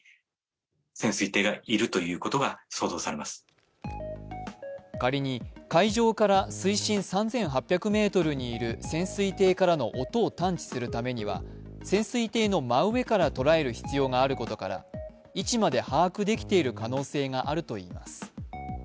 更に仮に海上から水深３８００ｍにいる潜水艇からの音を探知するためには潜水艇の真上から捉える必要があることから位置まで把握できている可能性があるといいます。